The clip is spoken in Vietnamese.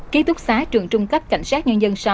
ký túc xá trường trung cấp cảnh sát nhân dân sáu